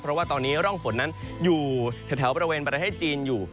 เพราะว่าตอนนี้ร่องฝนนั้นอยู่แถวบริเวณประเทศจีนอยู่